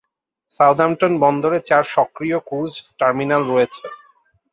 Southampton বন্দরে চার সক্রিয় ক্রুজ টার্মিনাল রয়েছে।